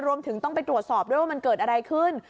รวมถึงต้องไปตรวจสอบด้วยว่ามันเกิดอะไรขึ้น